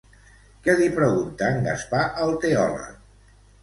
Què li pregunta en Gaspar al teòleg?